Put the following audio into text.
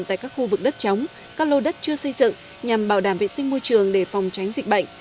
tại các khu vực đất trống các lô đất chưa xây dựng nhằm bảo đảm vệ sinh môi trường để phòng tránh dịch bệnh